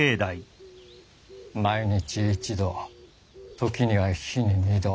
毎日一度時には日に二度。